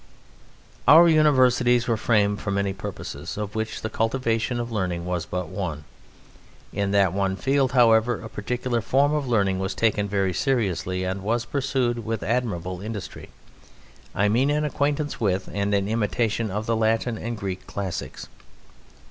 Our Universities were framed for many purposes, of which the cultivation of learning was but one; in that one field, however, a particular form of learning was taken very seriously, and was pursued with admirable industry; I mean an acquaintance with and an imitation of the Latin and Greek Classics.